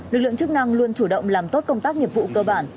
lực lượng chức năng luôn chủ động làm tốt công tác nghiệp vụ cơ bản